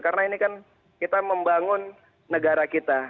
karena ini kan kita membangun negara kita